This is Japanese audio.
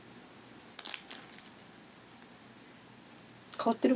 変わってる？